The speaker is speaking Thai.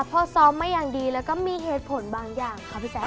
พอซ้อมมาอย่างดีแล้วก็มีเหตุผลบางอย่างค่ะพี่แจ๊